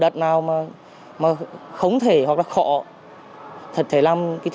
thì họ sẽ trả lại